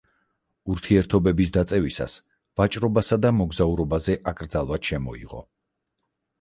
ურთიერთობების დაწევისას ვაჭრობასა და მოგზაურობაზე აკრძალვაც შემოიღო.